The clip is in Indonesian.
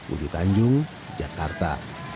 udi tanjung jakarta